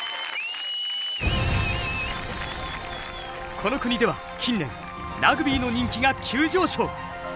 この国では近年ラグビーの人気が急上昇！